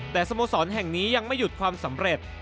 แต่สโมสรแห่งนี้ยังไม่หยุดความสำเร็จ